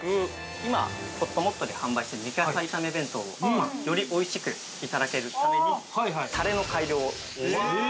◆今ほっともっとで販売している肉野菜炒め弁当をよりおいしくいただけるためにタレの改良をしています。